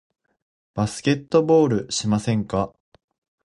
バスケットボールしませんか？